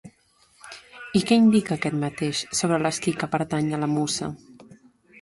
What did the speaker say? I què indica aquest mateix sobre l'equí que pertany a la musa?